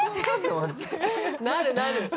なるなる。